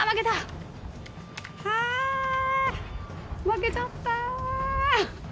負けちゃった。